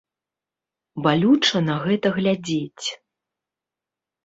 Балюча на гэта глядзець.